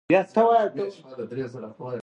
پاولو کویلیو د نړۍ یو مشهور لیکوال دی.